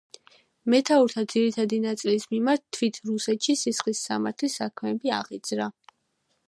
მეთაურთა ძირითადი ნაწილის მიმართ თვით რუსეთში სისხლის სამართლის საქმეები აღიძრა.